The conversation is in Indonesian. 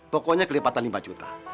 pokoknya kelipatan lima juta